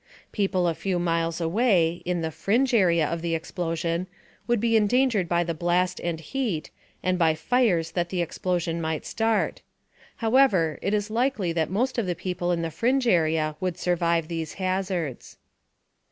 People a few miles away in the "fringe area" of the explosion would be endangered by the blast and heat, and by fires that the explosion might start. However, it is likely that most of the people in the fringe area would survive these hazards.